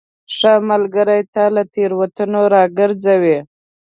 ښه ملګری تا له تیروتنو راګرځوي.